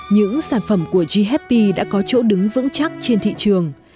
những sản phẩm của g happy đã có chỗ đứng vững chắc trên thị trường